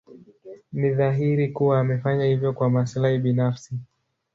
Ni dhahiri kuwa amefanya hivyo kwa maslahi binafsi.